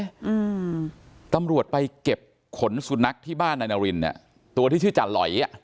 อืมตำรวจไปเก็บขนสุนัขที่บ้านนายนารินเนี้ยตัวที่ชื่อจาหลอยอ่ะ